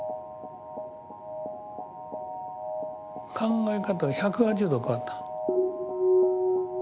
考え方が１８０度変わった。